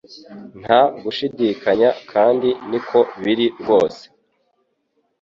Nta gushidikanya kandi niko biri rwose